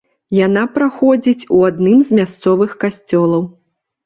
Яна праходзіць у адным з мясцовых касцёлаў.